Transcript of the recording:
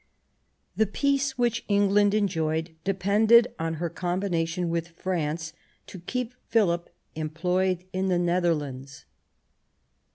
The peace which England enjoyed depended on her combination with France to keep Philip employed in the Netherlands.